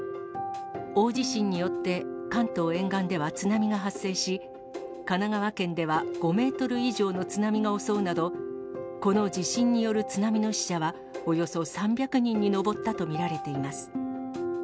大地震によって、関東沿岸では津波が発生し、神奈川県では５メートル以上の津波が襲うなど、この地震による津波の死者はおよそ３００人に上ったと見られています。